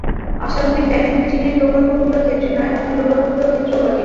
অস্বাভাবিক ব্যয় শুধু চীনের প্রকল্পগুলোর ক্ষেত্রে নয়, অন্য প্রকল্পগুলোর ক্ষেত্রেও ঘটে।